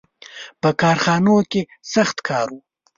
• په کارخانو کې سخت کار و.